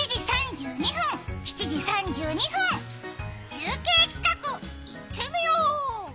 中継企画、いってみよう！